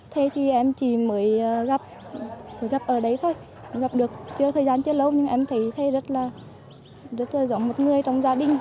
thầy thì em chỉ mới gặp ở đấy thôi gặp được chưa thời gian chưa lâu nhưng em thấy thầy rất là giống một người trong gia đình